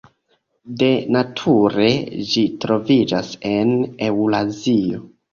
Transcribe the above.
De nature ĝi troviĝas en Eŭrazio.